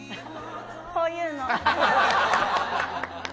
こういうの。